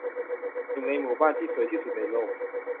หนึ่งในหมู่บ้านที่สวยที่สุดในโลก